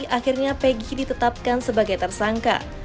akhirnya peggy ditetapkan sebagai tersangka